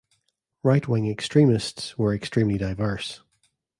Right-wing extremists were extremely diverse.